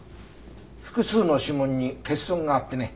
複数の指紋に欠損があってね